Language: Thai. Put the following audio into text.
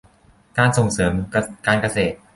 การส่งเสริมการเกษตร